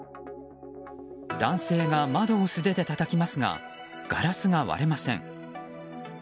男性が窓を素手でたたきますがガラスが割れません。